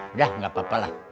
udah gak apa apa lah